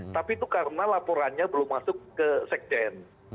tapi itu karena laporannya belum masuk ke sekjen